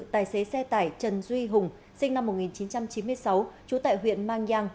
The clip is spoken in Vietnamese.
tài xế xe tải trần duy hùng sinh năm một nghìn chín trăm chín mươi sáu trú tại huyện mang giang